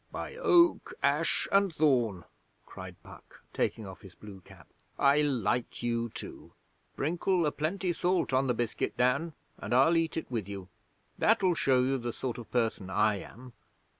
'By Oak, Ash and Thorn,' cried Puck, taking off his blue cap, 'I like you too. Sprinkle a plenty salt on the biscuit, Dan, and I'll eat it with you. That'll show you the sort of person I am.